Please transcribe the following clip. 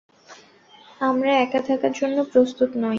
আমরা একা থাকার জন্য প্রস্তুত নই।